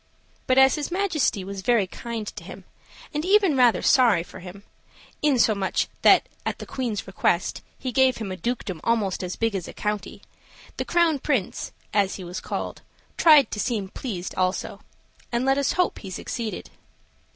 But as his majesty was very kind to him, and even rather sorry for him insomuch that at the Queen's request he gave him a dukedom almost as big as a county the Crown Prince, as he was called, tried to seem pleased also; and let us hope he succeeded.